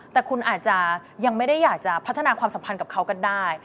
แต่คุณอาจจะยังไม่ได้อยากจะพัฒนาความสัมพันธ์กับเขากันได้